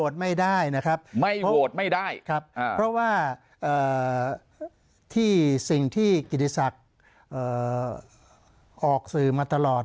จริงนั้นในจากสิ่งที่กฤษักริย์โหวตออกสื่อมาตลอด